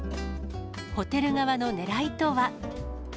ホテル側のねらいとは。